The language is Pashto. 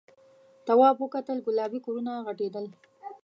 تواب وکتل گلابي کورونه غټېدل.